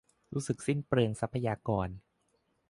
รู้สึกเปลืองทรัพยากร